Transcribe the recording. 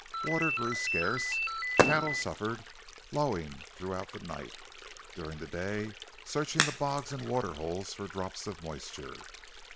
Water grew scarce; cattle suffered, lowing throughout the night, during the day searching the bogs and water holes for drops of moisture.